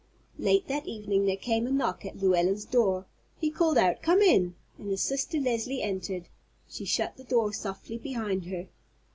Late that evening there came a knock at Llewellyn's door. He called out, "Come in!" and his sister Leslie entered. She shut the door softly behind her.